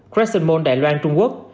crescent mall đài loan trung quốc